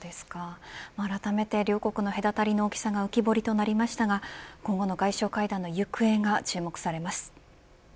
あらためて両国の隔たりの大きさが浮き彫りとなりましたが今後の外相会談の行方が注目されます。